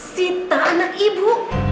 sita anak ibu